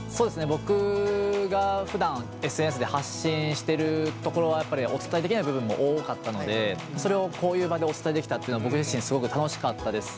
僕がふだんＳＮＳで発信してるところはやっぱりお伝えできない部分も多かったのでそれをこういう場でお伝えできたっていうのは僕自身すごく楽しかったです。